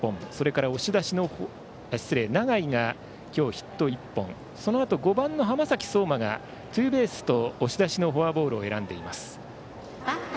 永井が今日ヒット１本そのあと５番の浜崎綜馬がツーベースと押し出しのフォアボールを選んでいます。